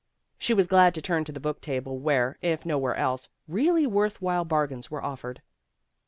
She was glad to turn to the book table where, if nowhere else, really worth while bargains were offered.